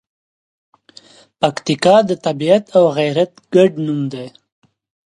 پکتیکا د طبیعت او غیرت ګډ نوم دی.